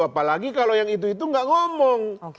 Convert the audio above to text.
apalagi kalau yang itu itu nggak ngomong